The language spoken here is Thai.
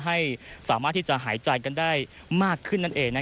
ให้สามารถที่จะหายใจกันได้มากขึ้น